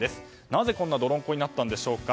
なぜ、こんな泥んこになったんでしょうか。